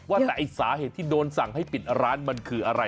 ว่าแต่ไอ้สาเหตุที่โดนสั่งให้ปิดร้านมันคืออะไร